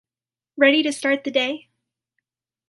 Ready to start the day?